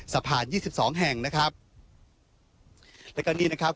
สะพานยี่สิบสองแห่งนะครับแล้วก็นี่นะครับ